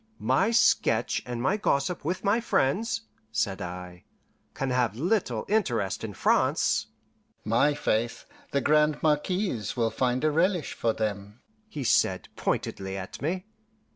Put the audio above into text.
"My sketch and my gossip with my friends," said I, "can have little interest in France." "My faith, the Grande Marquise will find a relish for them," he said pointedly at me.